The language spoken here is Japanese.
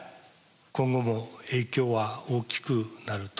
今後も影響は大きくなると思われます。